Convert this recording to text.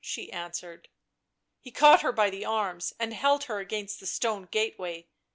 she answered. He caught her by the arms and held her against the stone gateway.